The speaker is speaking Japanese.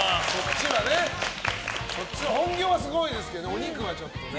本業はすごいですけどお肉はちょっとね。